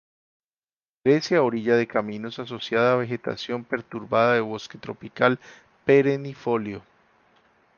Crece a orilla de caminos, asociada a vegetación perturbada de bosque tropical perennifolio.